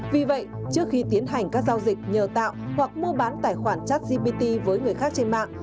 vì vậy trước khi tiến hành các giao dịch nhờ tạo hoặc mua bán tài khoản chat gpt với người khác trên mạng